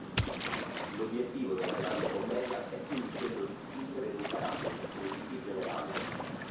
L'obiettivo della grande commedia è quindi quello di dipingere dei caratteri, dei tipi generali.